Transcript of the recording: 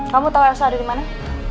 kamu tau elsa ada dimana